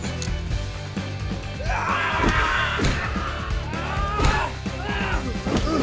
bisa kita tunggu